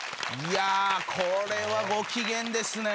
これはごきげんですね！